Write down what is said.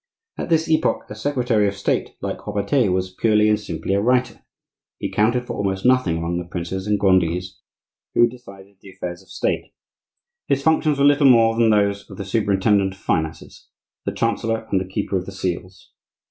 At this epoch a secretary of State like Robertet was purely and simply a writer; he counted for almost nothing among the princes and grandees who decided the affairs of State. His functions were little more than those of the superintendent of finances, the chancellor, and the keeper of the seals.